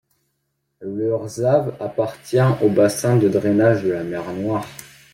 Le Rzav appartient au bassin de drainage de la Mer Noire.